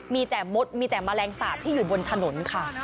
มีแต่มดมีแต่แมลงสาปที่อยู่บนถนนค่ะ